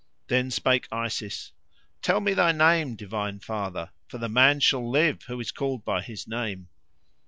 Then spake Isis, "Tell me thy name, divine Father, for the man shall live who is called by his name."